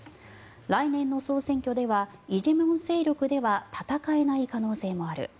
来年の総選挙ではイ・ジェミョン勢力では戦えない可能性もある。